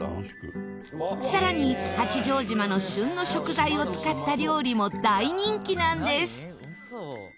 さらに八丈島の旬の食材を使った料理も大人気なんです。